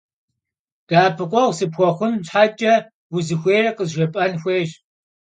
De'epıkhueğu sıpxuexhun şheç'e vuzıxuêyr khızjjêp'en xuêyş.